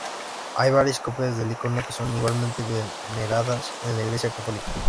Hay varias copias del icono que son igualmente veneradas en la Iglesia católica.